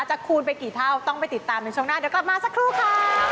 คูณไปกี่เท่าต้องไปติดตามในช่วงหน้าเดี๋ยวกลับมาสักครู่ค่ะ